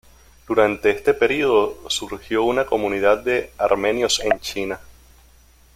Durante este período surgió una comunidad de armenios en China.